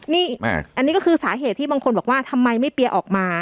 นี่อันนี้ก็คือสาเหตุที่บางคนบอกว่าทำไมไม่เปียออกมา